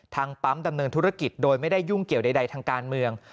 ทางปั๊มดำเนินธุรกิจโดยไม่ได้ยุ่งเกี่ยวใดทางการเมือง